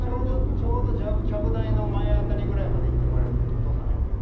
ちょうどちゃぶ台の前あたりぐらいまで行ってもらえるとお父さん入ってくる。